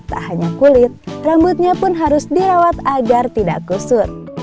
apa juga kulit dan rambutnya merawat agar tidak kusut